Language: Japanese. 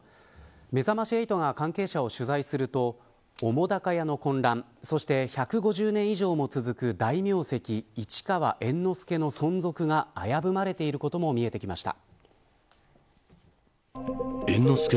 めざまし８が関係者を取材すると澤瀉屋の混乱、そして１５０年以上も続く大名跡市川猿之助の存続が危ぶまれていることも見えてきました。